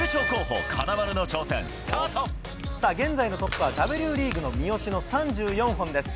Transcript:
現在のトップはＷリーグの三好の３４本です。